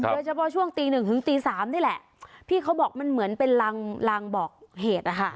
เฉพาะช่วงตีหนึ่งถึงตีสามนี่แหละพี่เขาบอกมันเหมือนเป็นลางบอกเหตุนะคะ